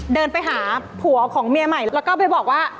เดินไปหาผัวของเมียใหม่แล้วก็ไปบอกว่า